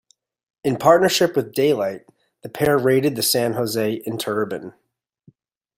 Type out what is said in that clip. In partnership with Daylight, the pair raided the San Jose Interurban.